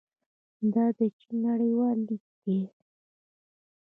دا د چین نړیوال لید دی.